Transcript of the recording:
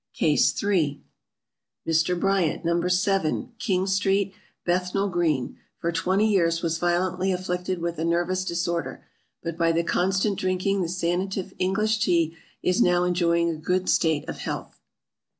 CASE III. Mr. BRYANT, No. 7, King street, Bethnal green, for twenty years was violently afflicted with a nervous disorder, but by the constant drinking the Sanative English Tea is now enjoying a good state of health.